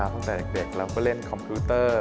ตั้งแต่เด็กเราก็เล่นคอมพิวเตอร์